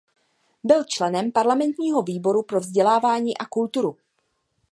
Byl členem parlamentního výboru pro vzdělávání a kulturu.